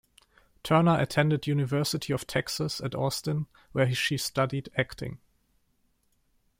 Turner attended University of Texas at Austin, where she studied acting.